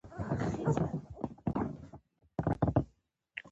متحده ایالت او لوېدیځه اروپا نور هم شتمن وي.